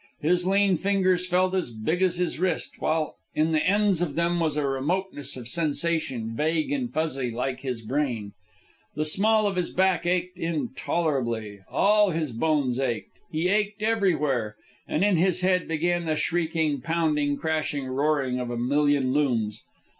His lean fingers felt as big as his wrist, while in the ends of them was a remoteness of sensation vague and fuzzy like his brain. The small of his back ached intolerably. All his bones ached. He ached everywhere. And in his head began the shrieking, pounding, crashing, roaring of a million looms.